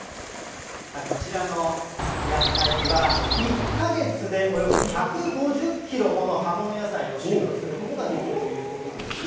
こちらの野菜は、１か月でおよそ１５０キロもの葉物野菜を収穫することができるということなんです。